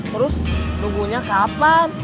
terus nunggunya kapan